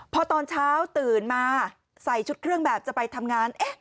พอตอนเช้าตื่นมาใส่ชุดเครื่องแบบจะไปทำงาน